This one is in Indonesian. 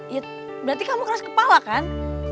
ya berarti kamu keras kepala kan